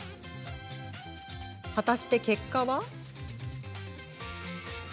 果たして結果は。